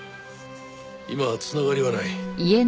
今は繋がりはない。